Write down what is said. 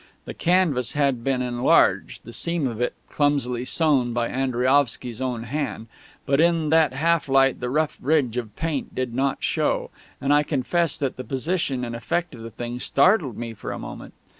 The canvas had been enlarged, the seam of it clumsily sewn by Andriaovsky's own hand; but in that half light the rough ridge of paint did not show, and I confess that the position and effect of the thing startled me for a moment.